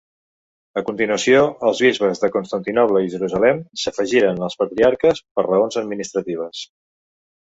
A continuació els bisbes de Constantinoble i Jerusalem s'afegiren als patriarques per raons administratives.